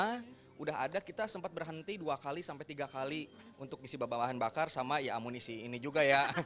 karena udah ada kita sempat berhenti dua tiga kali untuk isi bahan bakar sama ya amunisi ini juga ya